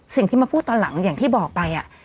สิ่งที่มาพูดตอนหลังอย่างที่บอกไป